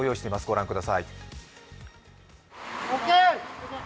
御覧ください。